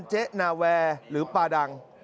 เจ๊นาแวร์หรือปาดัง